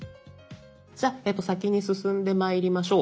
じゃあ先に進んでまいりましょう。